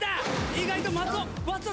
意外と松尾松尾